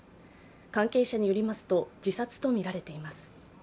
関係者によりますと自殺とみられています。